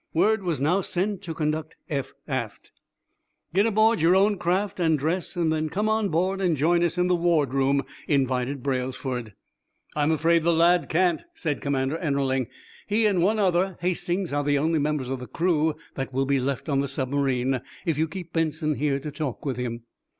Word was now sent to conduct Eph aft. "Get aboard your own craft and dress; then come on board and join us in the ward room," invited Braylesford. "I'm afraid the lad can't," said Commander Ennerling. "He and one other, Hastings, are the only members of the crew that will be left on the submarine if you keep Benson here to talk with him."